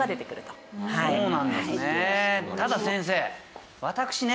ただ先生。